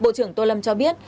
bộ trưởng tô lâm cho biết